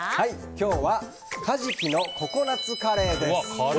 今日はカジキのココナツカレーです。